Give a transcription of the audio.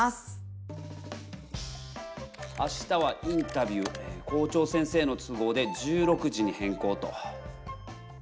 あしたはインタビュー校長先生の都合で１６時に変更と。